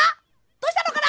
どうしたのかな！？